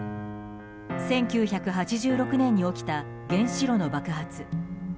１９８６年に起きた原子炉の爆発。